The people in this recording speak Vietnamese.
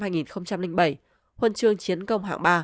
huân chương chiến công hạng ba